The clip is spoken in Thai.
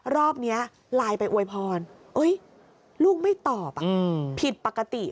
รอบนี้ไลน์ไปอวยพรลูกไม่ตอบผิดปกติ